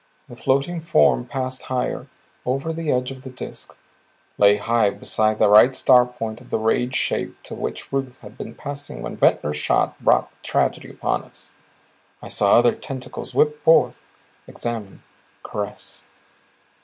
The floating form passed higher, over the edge of the Disk; lay high beside the right star point of the rayed shape to which Ruth had been passing when Ventnor's shot brought the tragedy upon us. I saw other tentacles whip forth, examine, caress.